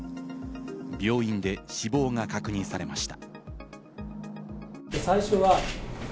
病院で死亡が確認されました。